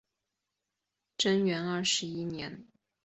贞元二十一年